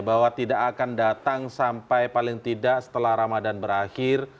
bahwa tidak akan datang sampai paling tidak setelah ramadhan berakhir